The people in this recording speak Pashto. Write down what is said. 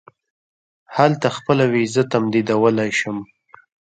هلته خپله وېزه تمدیدولای شم.